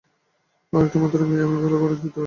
আমার একটিমাত্র মেয়ে, আমি ভালো ঘরে দিতে চাই।